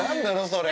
それ。